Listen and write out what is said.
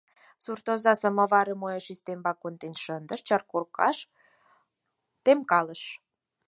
Суртоза самоварым уэш ӱстембак конден шындыш, чайгоркаш темкалыш.